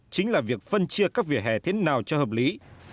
chính là việc phân chia các vỉa hè thế nào cho hợp lý